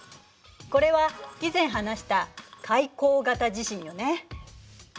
これは以前話した海溝型地震よね。